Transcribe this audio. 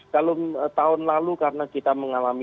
kalau tahun lalu karena kita mengalami